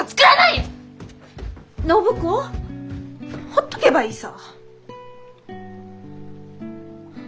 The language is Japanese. ほっとけばいいさ。